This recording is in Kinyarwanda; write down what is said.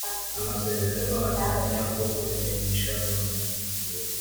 amasezerano ateganya ko kubimenyesha Loni